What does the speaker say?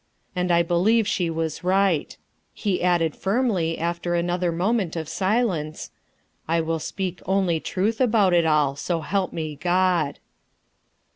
And I believe she was right," he added firmly after another moment of silence, "I will speak only truth about it all, so help me God."